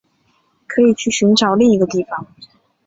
可以去寻找另一个地方